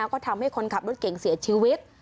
ก็ทำให้คนขับรถเก่งเสียชีวิต